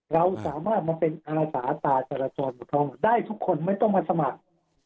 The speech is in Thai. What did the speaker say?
เราสามารถมาเป็นอาสาตาสละจอดได้ทุกคนไม่ต้องมาสมัคร